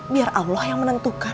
biar allah yang menentukan